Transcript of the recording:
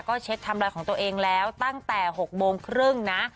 ก็เช็คไทม์ไลน์ของตัวเองแล้วตั้งแต่๖โมงครึ่งนะ